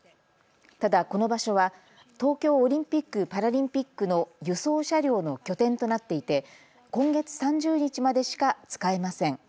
ただ、この場所は東京オリンピック・パラリンピックの輸送車両の拠点となっていて今月３０日までしか使えません。